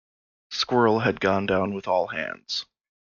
"Squirrel" had gone down with all hands.